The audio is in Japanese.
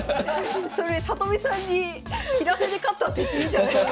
里見さんに平手で勝ったって言っていいんじゃないですか？